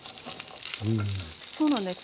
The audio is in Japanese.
そうなんです。